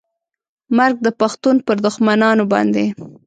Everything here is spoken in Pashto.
مرګ د پښتون پر دښمنانو باندې